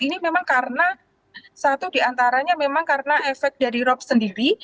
ini memang karena satu diantaranya memang karena efek dari rop sendiri